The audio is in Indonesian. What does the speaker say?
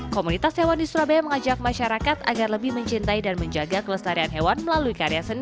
komunitas hewan di surabaya mengajak masyarakat agar lebih mencintai dan menjaga kelestarian hewan melalui karya seni